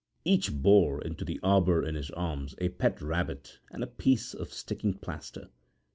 Each bore into the arbour in his arms a pet rabbit and a piece of sticking plaster.